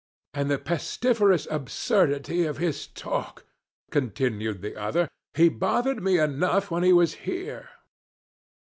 'And the pestiferous absurdity of his talk,' continued the other; 'he bothered me enough when he was here.